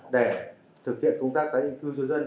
để thực hiện công tác